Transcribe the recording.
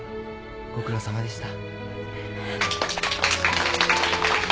ご苦労さまでした。